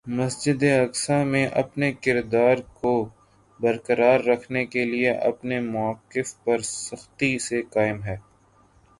مسجد اقصیٰ میں اپنے کردار کو برقرار رکھنے کے لیے اپنے مؤقف پر سختی سے قائم ہے-